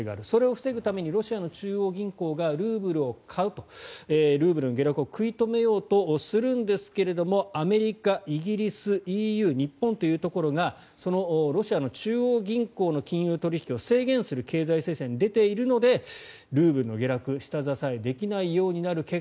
それを防ぐためにロシアの中央銀行がルーブルを買うとルーブルの下落を食い止めようとするんですがアメリカ、イギリス、ＥＵ日本というところがロシアの中央銀行の金融取引を制限する経済制裁に出ているのでルーブルの下落下支えできないようになる。